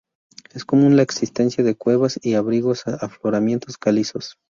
Es común la existencia de cuevas y abrigos en los afloramientos calizos.